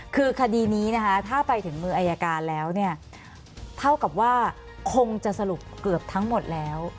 คือคดีนี้นะคะถ้าไปถึงมืออายการแล้วเนี่ยเท่ากับว่าคงจะสรุปเกือบทั้งหมดแล้ว